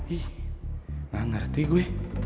ih gak ngerti gue